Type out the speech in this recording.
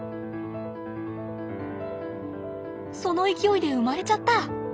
その勢いで生まれちゃった。